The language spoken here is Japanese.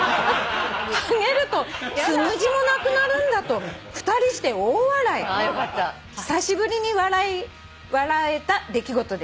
「はげるとつむじもなくなるんだと２人して大笑い」「久しぶりに笑えた出来事でした」